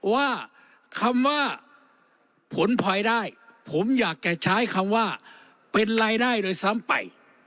ว่าคำว่าผลพลอยได้ผมอยากจะใช้คำว่าเป็นรายได้โดยซ้ำไป